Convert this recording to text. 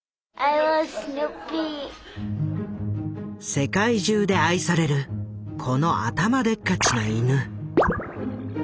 世界中で愛されるこの頭でっかちな犬。